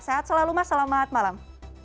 sehat selalu mas selamat malam